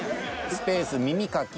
スペース耳かき。